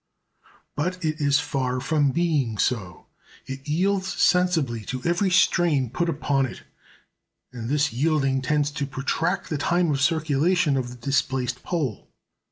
But it is far from being so; it yields sensibly to every strain put upon it; and this yielding tends to protract the time of circulation of the displaced pole.